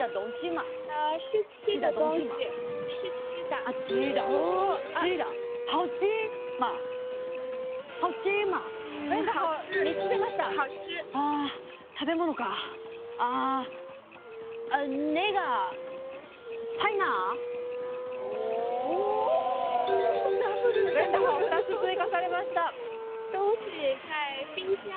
問得好２つ追加されました。